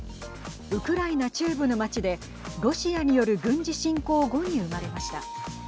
ウクライナ中部の町でロシアによる軍事侵攻後に生まれました。